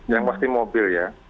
yang pasti mobil ya